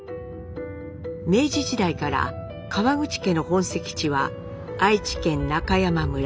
明治時代から川口家の本籍地は愛知県中山村。